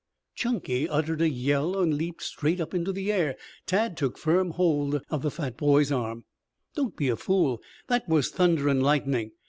Chunky uttered a yell and leaped straight up into the air. Tad took firm hold of the fat boy's arm. "Don't be a fool. That was thunder and lightning.